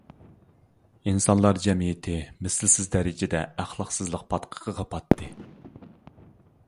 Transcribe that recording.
ئىنسانلار جەمئىيىتى مىسلىسىز دەرىجىدە ئەخلاقسىزلىق پاتقىقىغا پاتتى.